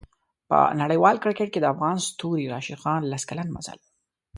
په نړیوال کریکټ کې د افغان ستوري راشد خان لس کلن مزل